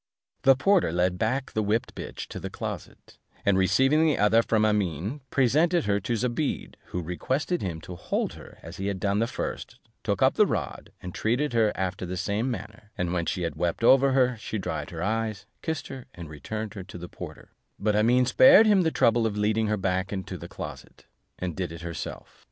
The porter led back the whipped bitch to the closet, and receiving the other from Amene, presented her to Zobeide, who requested him to hold her as he had done the first, took up the rod, and treated her after the same manner; and when she had wept over her, she dried her eyes, kissed her, and returned her to the porter: but Amene spared him the trouble of leading her back into the closet, and did it herself.